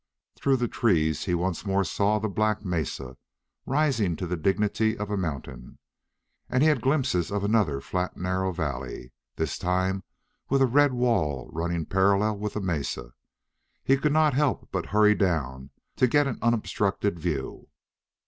Through the trees he once more saw the black mesa, rising to the dignity of a mountain; and he had glimpses of another flat, narrow valley, this time with a red wall running parallel with the mesa. He could not help but hurry down to get an unobstructed view.